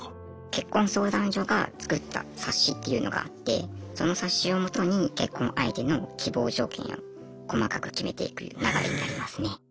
結婚相談所が作った冊子っていうのがあってその冊子を基に結婚相手の希望条件を細かく決めていく流れになりますね。